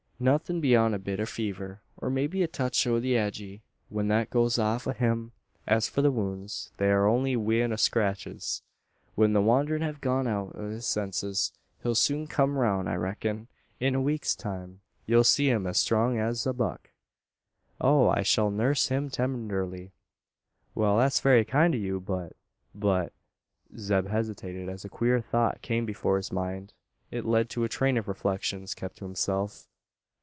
Nuthin' beyont a bit o' a fever, or maybe a touch o' the agey, when that goes off o' him. As for the wounds, they're only a wheen o' scratches. When the wanderin' hev gone out o' his senses, he'll soon kum roun, I reck'n. In a week's time, ye'll see him as strong as a buck." "Oh! I shall nurse him tenderly!" "Wal, that's very kind o' you; but but " Zeb hesitated, as a queer thought came before his mind. It led to a train of reflections kept to himself.